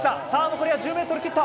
残りは１０ｍを切った！